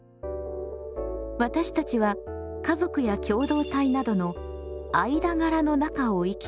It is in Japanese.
私たちは家族や共同体などの間柄の中を生きています。